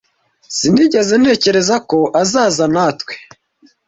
Sinigeze ntekereza ko azaza natwe.